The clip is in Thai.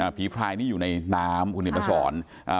อ่าผีพลายนี่อยู่ในน้ำคุณเหนียวมาสอนอ่า